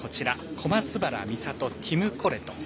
小松原美里、ティム・コレト。